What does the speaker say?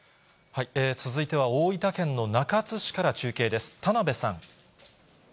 続いては大分県の中津市から中継です。